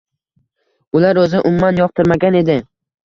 Ular o‘zi umuman yoqtirmagan edi.